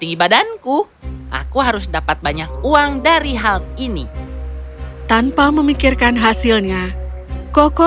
tinggi badanku aku harus dapat banyak uang dari hal ini tanpa memikirkan hasilnya koko